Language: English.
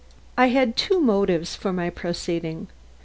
I had two motives for my proceeding.